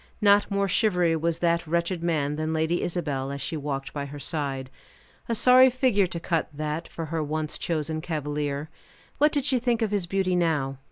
Not more shivery was that wretched man than Lady Isabel, as she walked by her side. A sorry figure to cut, that, for her once chosen cavalier. What did she think of his beauty now?